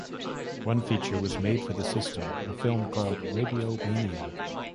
One feature was made for the system, a film called "Radio-Mania".